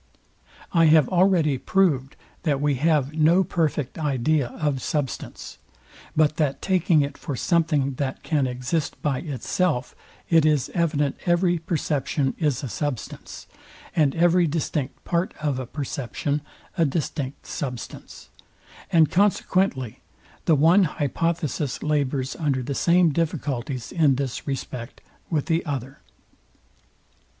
I have already proved, that we have no perfect idea of substance; but that taking it for something, that can exist by itself, it is evident every perception is a substance, and every distinct part of a perception a distinct substance: And consequently the one hypothesis labours under the same difficulties in this respect with the other.